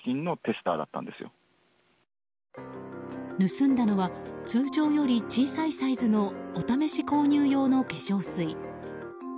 盗んだのは通常より小さいサイズのお試し購入用の化粧水。